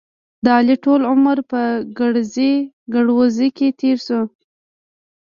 د علي ټول عمر په ګړزې ګړوزې کې تېر شو.